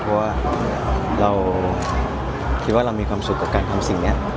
เพราะว่าเราคิดว่าเรามีความสุขกับการทำสิ่งนี้